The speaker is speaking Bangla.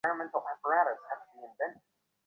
তাহার ঠিকানা জানিয়াছ?